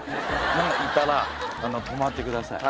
何か言ったら止まってください